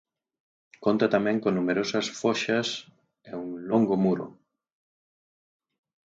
Conta tamén con numerosas foxas e un longo muro.